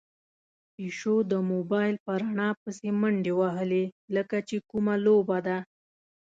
پيشو د موبايل په رڼا پسې منډې وهلې، لکه چې کومه لوبه ده.